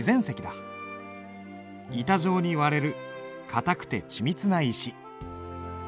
板状に割れる硬くて緻密な石。